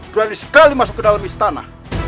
jualan sekali masuk ke dalam istana